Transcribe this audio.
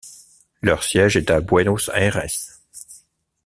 Leur siège est à Buenos Aires.